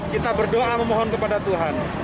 kita berdoa memohon kepada tuhan